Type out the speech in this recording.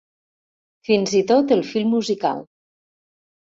Fins i tot el fil musical.